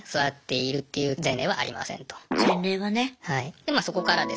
でまあそこからですね